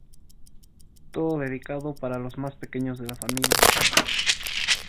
Todo dedicado para los más pequeños de la familia.